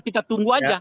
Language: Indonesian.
kita tunggu saja